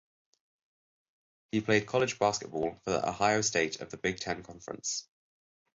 He played college basketball for the Ohio State of the Big Ten Conference.